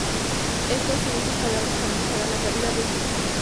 Esto, según sus palabras, para mejorar de su calidad de vida.